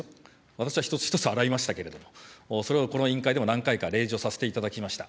私は一つ一つ洗いましたけれども、それをこの委員会でも何回か例示をさせていただきました。